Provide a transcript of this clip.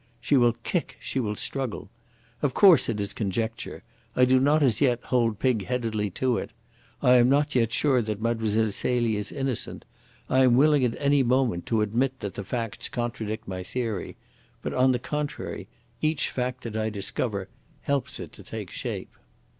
She will kick, she will struggle. Of course it is conjecture. I do not as yet hold pigheadedly to it. I am not yet sure that Mlle. Celie is innocent. I am willing at any moment to admit that the facts contradict my theory. But, on the contrary, each fact that I discover helps it to take shape.